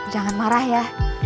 jangan marah ya